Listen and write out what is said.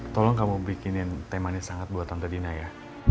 tolong kamu bikinin temannya sangat buat tante dina ya